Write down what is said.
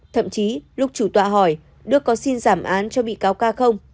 thậm chí lúc chủ tọa hỏi đức có xin giảm án cho bị cáo ca không